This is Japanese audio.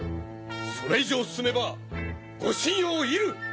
それ以上進めばご神輿を射る！